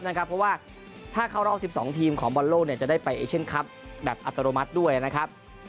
เพราะว่าถ้าเข้ารอบ๑๒ทีมของบอลโลกจะได้ไปเอเชียนคลับแบบอัตโนมัติด้วยนะครับ